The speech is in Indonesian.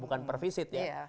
bukan per visit ya